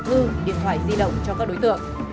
và hòng thư điện thoại di động cho các đối tượng